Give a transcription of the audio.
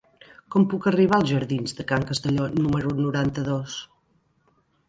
Com puc arribar als jardins de Can Castelló número noranta-dos?